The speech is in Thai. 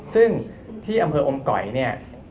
ซึ่งที่อำเภออมเก๋อย